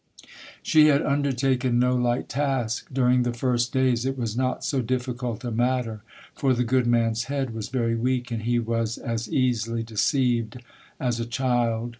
" She had undertaken no light task. During the first days it was not so difficult a matter, for the good man's head was very weak, and he was as The Siege of Berlin. 45 easily deceived as a child.